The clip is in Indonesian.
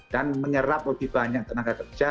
dan menyerap lebih banyak tenaga kerja